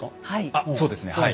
あっそうですねはい。